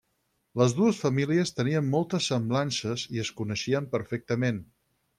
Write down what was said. Les dues famílies tenien moltes semblances i es coneixien perfectament.